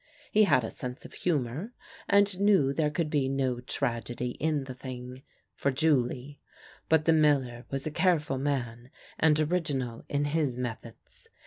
He had a sense of humour, and knew there could be no tragedy in the thing — for Julie. But the miller was a careful man and original in his methods.